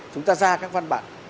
chúng ta ra các văn bản